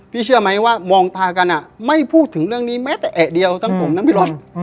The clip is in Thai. เชื่อไหมว่ามองตากันไม่พูดถึงเรื่องนี้แม้แต่แอะเดียวทั้งผมนะพี่รถ